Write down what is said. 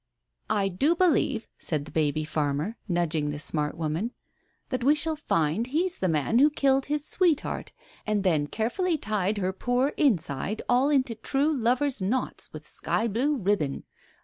"I do believe," said the baby farmer, nudging the smart woman, "that we shall find he's the man who killed his sweetheart and then carefully tied her poor inside all into true lover's knots with sky blue ribbon.